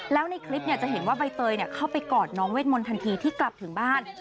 แล้วในคลิปจะเห็นว่าใบเตยเข้าไปกอดน้องเวทมนต์ทันทีที่กลับถึงบ้าน